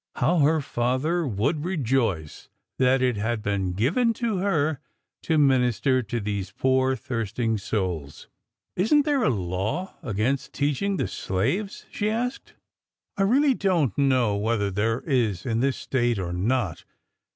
How her father would rejoice that it had been given to her to minister to these poor thirsting souls! ''Isn't there a law against teaching the slaves?" she asked. " I really don't know whether there is in this State or not.